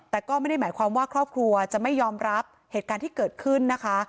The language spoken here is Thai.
แต่ก็ไม่ได้หมายความว่าครอบครัวจะไม่ยอมรับเหตุการณ์ที่เกิดขึ้นนะคะ